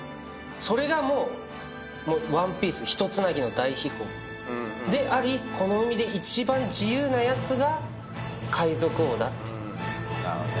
それがもうワンピースひとつなぎの大秘宝でありこの海で一番自由なやつが海賊王だって。